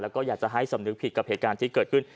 แล้วก็อยากจะให้สำนึกผิดกับเหตุการณ์ที่เกิดขึ้น